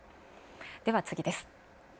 では次です。